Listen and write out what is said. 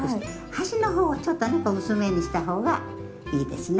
端のほうを薄めにしたほうがいいですね。